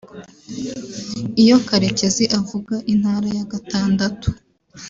Iyo Karekezi avuga Intara ya Gatandatu